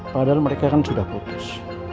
padahal mereka kan sudah putus